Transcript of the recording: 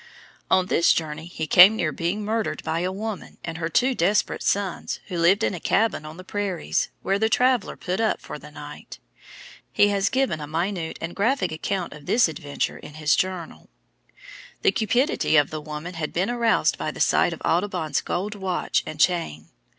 On this journey he came near being murdered by a woman and her two desperate sons who lived in a cabin on the prairies, where the traveller put up for the night. He has given a minute and graphic account of this adventure in his journal. The cupidity of the woman had been aroused by the sight of Audubon's gold watch and chain.